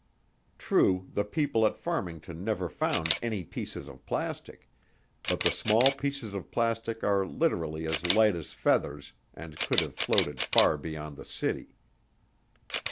True, the people at Farmington never found any pieces of plastic, but the small pieces of plastic are literally as light as feathers and could have floated far beyond the city.